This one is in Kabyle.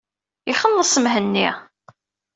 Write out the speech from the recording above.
Ixelles Mhenni.